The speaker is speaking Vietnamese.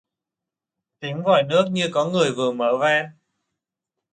Tiếng vòi nước như có người vừa mở van